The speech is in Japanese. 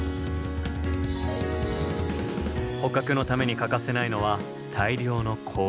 捕獲のために欠かせないのは大量の氷。